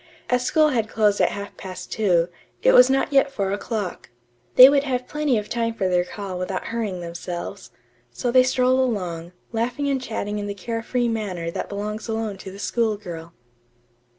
As school had closed at half past two, it was not yet four o'clock. They would have plenty of time for their call without hurrying themselves. So they strolled along, laughing and chatting in the care free manner that belongs alone to the school girl.